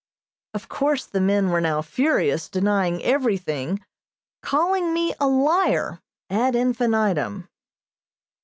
Of course the men were now furious, denying everything, calling me a "liar," ad infinitum.